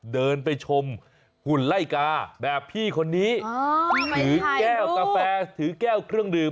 เดินไปชมหุ่นไล่กาแบบพี่คนนี้ถือแก้วกาแฟถือแก้วเครื่องดื่ม